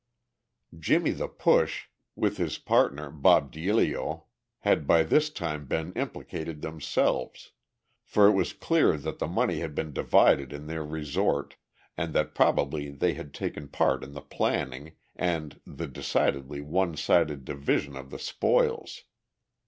"Jimmie the Push," with his partner, Bob Deilio, had by this time been implicated themselves, for it was clear that the money had been divided in their resort, and that probably they had taken part in the planning, and the decidedly one sided division of the spoils.